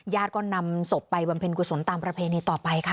ก็นำศพไปบำเพ็ญกุศลตามประเพณีต่อไปค่ะ